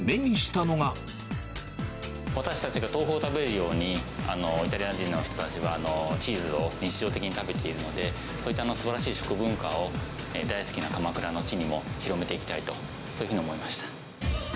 私たちが豆腐を食べるように、イタリア人の人たちは、チーズを日常的に食べているので、そういったすばらしい食文化を、大好きな鎌倉の地にも広めていきたいと、そういうふうに思いまし